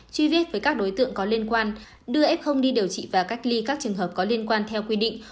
truy vết với các đối tượng có liên quan đưa f đi điều trị và cách ly các trường hợp có liên quan theo quy định